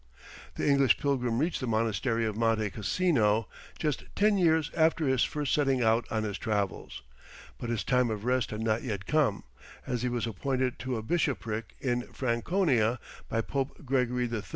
The English pilgrim reached the monastery of Monte Cassino, just ten years after his first setting out on his travels; but his time of rest had not yet come, as he was appointed to a bishopric in Franconia by Pope Gregory III.